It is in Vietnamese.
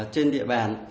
trên địa bàn